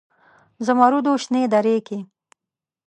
زمرودو شنې درې کې